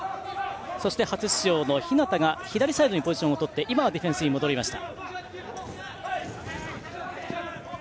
そして、初出場の日向が左サイドにポジションをとってディフェンスに戻りました。